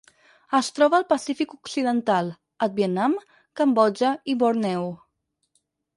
Es troba al Pacífic occidental: el Vietnam, Cambodja i Borneo.